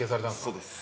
そうです。